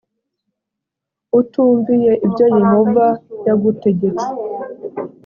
utumviye ibyo yehova yagutegetse